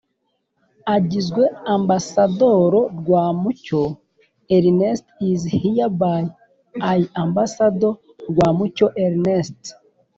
Agizwe ambassador rwamucyo ernest is hereby l ambassadeur rwamucyo ernest